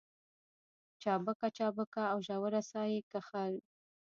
چابکه چابکه او ژوره ساه يې کښل.